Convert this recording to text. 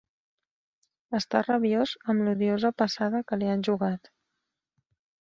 Està rabiós amb l'odiosa passada que li han jugat.